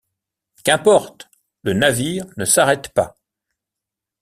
Qu’importe! le navire ne s’arrête pas.